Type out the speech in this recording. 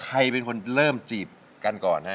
ใครเป็นคนเริ่มจีบกันก่อนฮะ